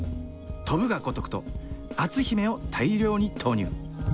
「翔ぶが如く」と「篤姫」を大量に投入。